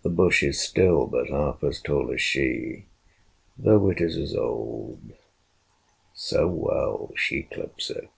The bush is still But half as tall as she, though it is as old; So well she clips it.